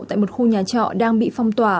tại một khu nhà trọ đang bị phong tỏa